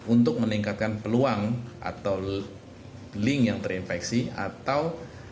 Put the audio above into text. untuk meningkatkan peluang atau link yang terinfeksi atau